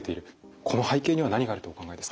この背景には何があるとお考えですか？